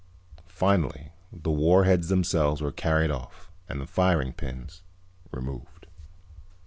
Finally the warheads themselves were carried off and the firing pins removed.